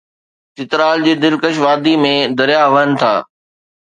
چترال جي دلڪش وادي ۾ درياهه وهن ٿا